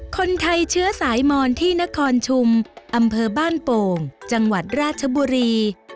คนไทยเชื้อสายมอนที่นครชุมอำเภอบ้านโป่งจังหวัดราชบุรี